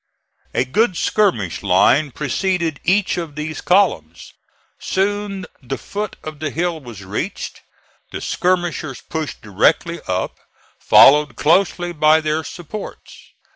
A good skirmish line preceded each of these columns. Soon the foot of the hill was reached; the skirmishers pushed directly up, followed closely by their supports.